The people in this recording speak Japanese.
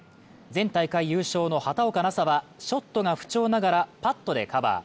前大会優勝の畑岡奈紗はショットが不調ながらパットでカバー。